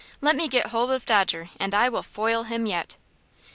"Let me get hold of Dodger and I will foil him yet!"